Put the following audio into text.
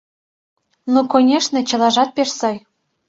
— Ну, конешне, чылажат пеш сай.